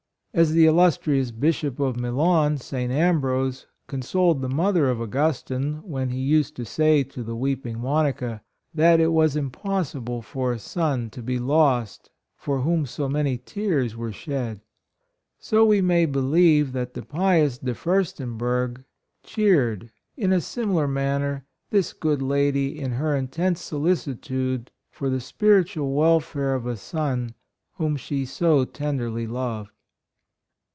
As the illustrious Bishop of Milan, St. Ambrose, consoled the mother of Augustine, when he used to say to the weeping Monica, "that it was impossible for a son to be lost for whom so many tears were shed ;" so we may believe that the pious De Furstenberg cheered, in a similar manner, this good lady in her intense solicitude for the spirit ual welfare of a son whom she so tenderly loved.